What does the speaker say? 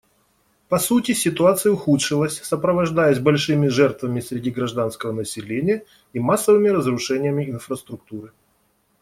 По сути, ситуация ухудшилась, сопровождаясь большими жертвами среди гражданского населения и массовыми разрушениями инфраструктуры.